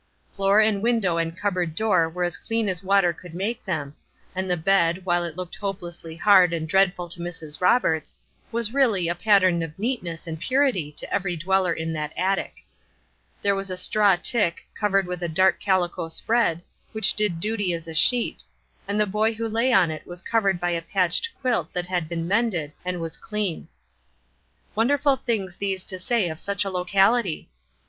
Floor and window and cupboard door were as clean as water could make them; and the bed, while it looked hopelessly hard and dreadful to Mrs. Roberts, was really a pattern of neatness and purity to every dweller in that attic. There was a straw tick, covered with a dark calico spread, which did duty as a sheet, and the boy who lay on it was covered by a patched quilt that had been mended, and was clean. Wonderful things these to say of such a locality!